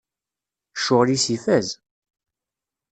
Ccɣel-is ifaz!